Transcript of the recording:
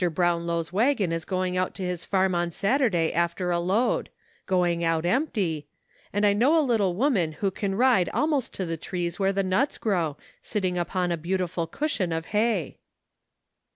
Brownlow's wagon is going out to his farm on Saturday after a load — going out empty — and I know a little woman who can ride almost to the trees where the nuts grow, sitting upon a beautiful cushion of hay."